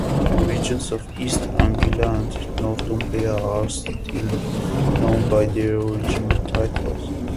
The regions of East Anglia and Northumbria are still known by their original titles.